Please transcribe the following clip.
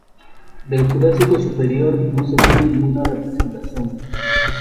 Del Jurásico superior no se tiene ninguna representación.